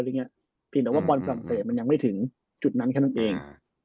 เพียงแต่ว่าบอลฝรั่งเศสมันยังไม่ถึงจุดนั้นแค่นั้นเอง